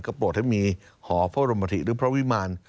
ก็โปรดให้มีหอพระบรมธิหรือพระวิมาร